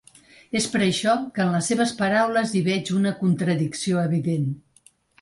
És per això que en les seves paraules hi veig una contradicció evident.